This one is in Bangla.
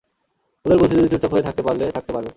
ওদের বলেছি যদি চুপচাপ হয়ে থাকতে পারলে থাকতে পারবে।